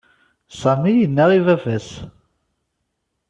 Sami yenna i baba-s.